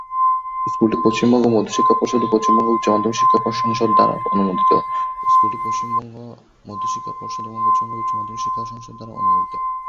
স্কুলটি পশ্চিমবঙ্গ মধ্য শিক্ষা পর্ষদ এবং পশ্চিমবঙ্গ উচ্চমাধ্যমিক শিক্ষা সংসদ দ্বারা অনুমোদিত।